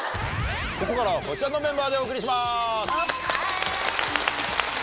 ここからはこちらのメンバーでお送りします！